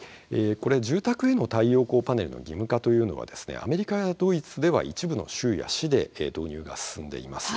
住宅への太陽光パネルの義務化というのはアメリカやドイツでは一部の州や市で導入が進んでいます。